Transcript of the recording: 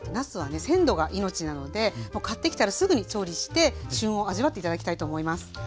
鮮度が命なので買ってきたらすぐに調理して旬を味わって頂きたいと思います。